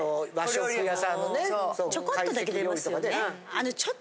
ちょこっとだけ出ますよね。